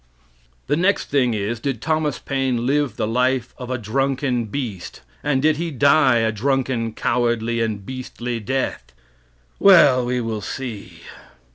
The next thing is: Did Thomas Paine live the life of a drunken beast, and did he die a drunken, cowardly, and beastly death? Well, we will see.